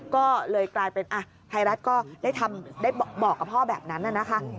ก็เลยกลายเป็นไทยรัฐก็ได้บอกกับพ่อแบบนั้นนะคะ